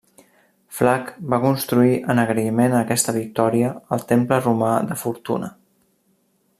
Flac va construir en agraïment a aquesta victòria el temple romà de Fortuna.